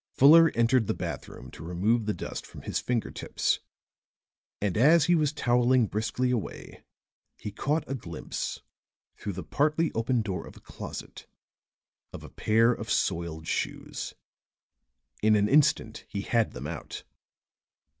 Fuller entered the bathroom to remove the dust from his finger tips; and as he was toweling briskly away he caught a glimpse, through the partly open door of a closet, of a pair of soiled shoes. In an instant he had them out.